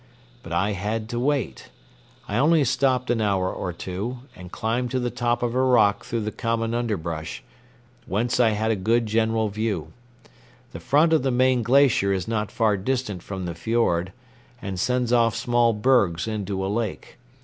But I had to wait. I only stopped an hour or two, and climbed to the top of a rock through the common underbrush, whence I had a good general view. The front of the main glacier is not far distant from the fiord, and sends off small bergs into a lake.